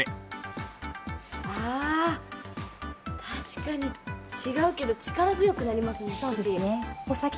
ああ確かに違うけど力強くなりますね少し。